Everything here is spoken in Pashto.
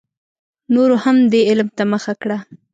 نورو هم دې علم ته مخه کړه.